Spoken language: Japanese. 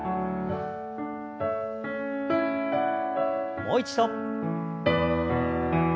もう一度。